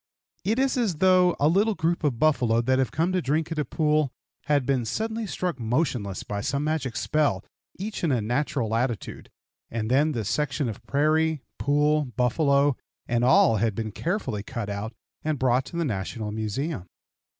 It is as though a little group of buffalo that have come to drink at a pool had been suddenly struck motionless by some magic spell, each in a natural attitude, and then the section of prairie, pool, buffalo, and all had been carefully cut out and brought to the National Museum.